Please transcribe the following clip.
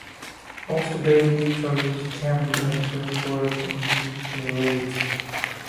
Most baby turnips can be eaten whole, including their leaves.